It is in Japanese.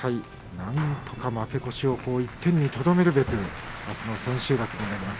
なんとか負け越しを一点にとどめるべくあすの千秋楽になります。